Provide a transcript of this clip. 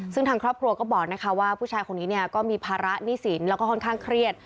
ซึ่งทางครอบครัวก็บอกนะคะว่าผู้ชายคนนี้เนี่ยก็มีภาระหนี้สินแล้วก็ค่อนข้างเครียด